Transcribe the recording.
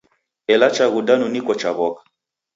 Ela chaghu danu niko chaw'oka.